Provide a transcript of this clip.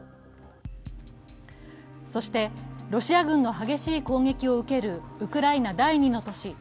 そして、ロシア軍の激しい攻撃を受けるウクライナ第２の都市